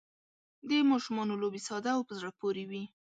د ماشومانو لوبې ساده او په زړه پورې وي.